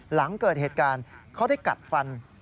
หลังเกิดเหตุการณ์เขาได้กัดฟัน